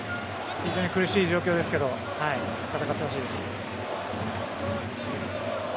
非常に苦しい状況ですが戦ってほしいです。